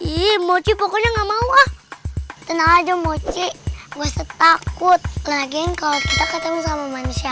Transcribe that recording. ii mochi pokoknya enggak mau ah tenang aja mochi gue takut lagi kalau kita ketemu sama manusia